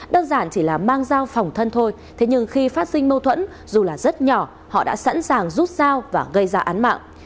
đơn giản chỉ là mang dao phòng thân thôi thế nhưng khi phát sinh mâu thuẫn dù là rất nhỏ họ đã sẵn sàng rút dao và gây ra án mạng